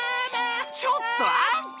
ちょっとあんた！